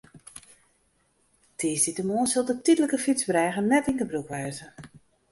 Tiisdeitemoarn sil de tydlike fytsbrêge net yn gebrûk wêze.